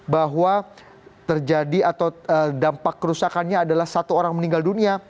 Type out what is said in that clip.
bahwa terjadi atau dampak kerusakannya adalah satu orang meninggal dunia